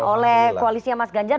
oleh koalisnya mas ganjar